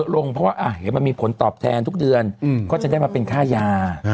ลงเพราะว่าเห็นมันมีผลตอบแทนทุกเดือนก็จะได้มาเป็นค่ายา